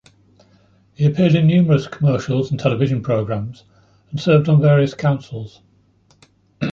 He appeared in numerous commercials and television programs and served on various councils.